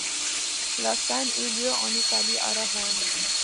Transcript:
La scène eut lieu en Italie, à Ravenne.